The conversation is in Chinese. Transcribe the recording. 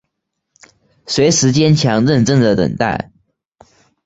随时坚强认真的等待